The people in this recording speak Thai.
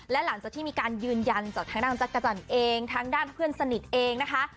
แล้วหลังจากที่มียืนยันอยู่ทางด้านจากกะจันเองทางด้านเพื่อนสนิทเองนะคะ